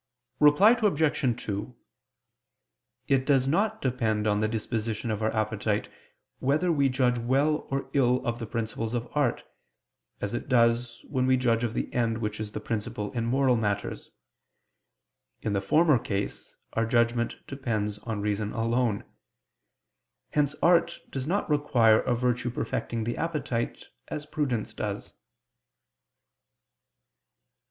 Reply Obj. 2: It does not depend on the disposition of our appetite whether we judge well or ill of the principles of art, as it does, when we judge of the end which is the principle in moral matters: in the former case our judgment depends on reason alone. Hence art does not require a virtue perfecting the appetite, as prudence does.